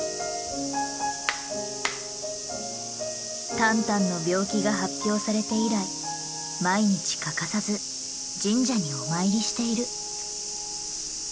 タンタンの病気が発表されて以来毎日欠かさず神社にお参りしている。